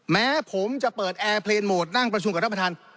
แม้ผมจะเปิดแอร์เพลงโหมดนั่งประชุมกับท่านประธาน